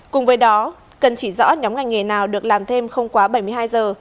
cùng với đó cần chỉ rõ nhóm ngành nghề nào được làm thêm không quá bảy mươi hai giờ